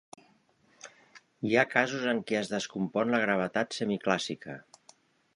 Hi ha casos en què es descompon la gravetat semiclàssica.